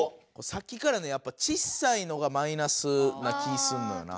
さっきからねやっぱちっさいのがマイナスな気すんのよな。